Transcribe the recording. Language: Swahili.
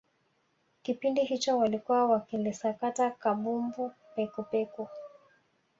kipindi hicho walikuwa wakilisakata kabumbu pekupeku